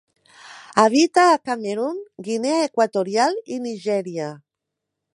Habita a Camerun, Guinea Equatorial i Nigèria.